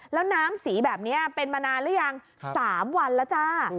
แล้วน้ำสีแบบนี้เป็นมานานหรือยัง๓วันแล้วจ้า